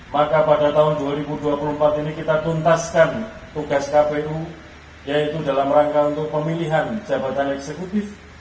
maka pada tahun dua ribu dua puluh empat ini kita tuntaskan tugas kpu yaitu dalam rangka untuk pemilihan jabatan eksekutif